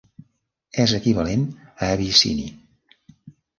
És equivalent a abissini.